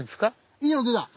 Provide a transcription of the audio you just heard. いいのでた？